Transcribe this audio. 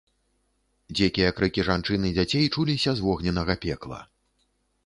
Дзікія крыкі жанчын і дзяцей чуліся з вогненнага пекла.